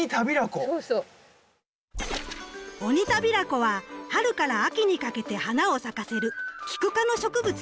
オニタビラコは春から秋にかけて花を咲かせるキク科の植物。